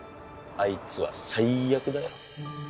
あいつは最悪だよ。